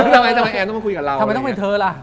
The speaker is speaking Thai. ทำไมทำไมแอนต้องมาคุยกับเราทำไมต้องเป็นเธอล่ะ